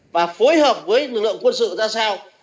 và phối hợp với lực lượng quân sự ra sao